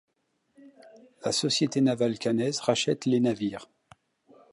La Société navale caennaise rachète les navires.